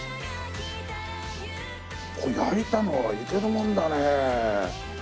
これ焼いたのはいけるもんだね。